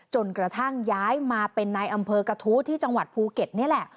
จนกระทั่งย้ายมาเป็นนายอำเภอกระทู้ที่จังหวัดภูเก็ตนี่แหละ